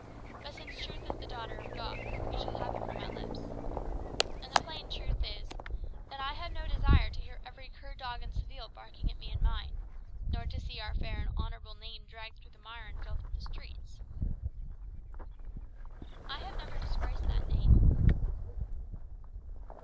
But since truth is the daughter of God, you shall have it from my lips. And the plain truth is, that I have no desire to hear every cur dog in Seville barking at me and mine; nor to see our ancient and honourable name dragged through the mire and filth of the streets." "I have never disgraced that name."